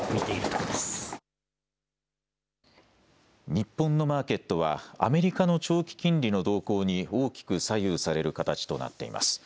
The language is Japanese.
日本のマーケットはアメリカの長期金利の動向に大きく左右される形となっています。